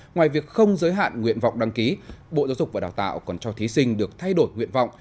ngoài việc không giới hạn nguyện vọng đăng ký bộ giáo dục và đào tạo còn cho thí sinh được thay đổi nguyện vọng